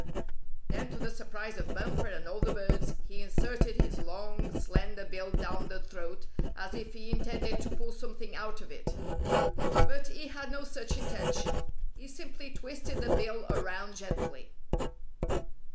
Then to the surprise of Bumper and all the birds, he inserted his long, slender bill down the throat as if he intended to pull something out of it. But he had no such intention. He simply twisted the bill around gently.